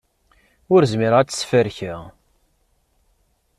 Ur zmireɣ ad tt-sferkeɣ.